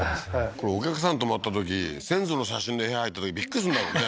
これお客さん泊まったとき先祖の写真の部屋入ったときびっくりすんだろうね